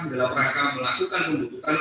mereka melakukan pembunuhan